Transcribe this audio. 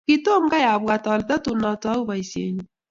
Kitom kai apwat ale tatun atau poisyennyu